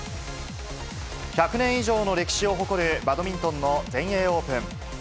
１００年以上の歴史を誇る、バドミントンの全英オープン。